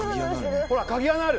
ほら鍵穴ある。